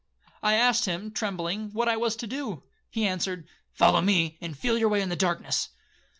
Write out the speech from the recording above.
I asked him, trembling, what I was to do? He answered, 'Follow me, and feel your way in darkness.'